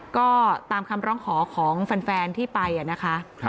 ก็ตามคำร้องขอของแฟนที่ไปนะคะ